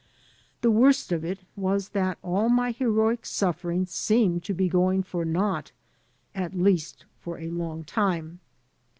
The worst of it was that all my heroic suffering seemed to be going for naught, at least for a long time.